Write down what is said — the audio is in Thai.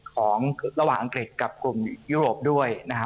ของระหว่างอังกฤษกับกลุ่มยุโรปด้วยนะครับ